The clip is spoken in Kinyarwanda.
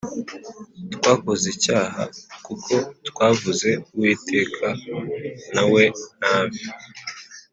Twakoze icyaha kuko twavuze Uwiteka nawe nabi